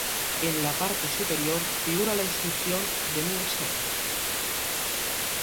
En la parte superior, figura la inscripción "The New Saints".